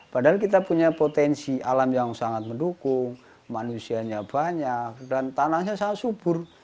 padahal kita punya potensi alam yang sangat mendukung manusianya banyak dan tanahnya sangat subur